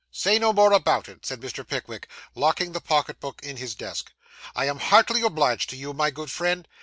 'Say no more about it,' said Mr. Pickwick, locking the pocket book in his desk; 'I am heartily obliged to you, my good friend.